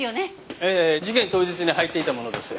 ええ事件当日に履いていたものです。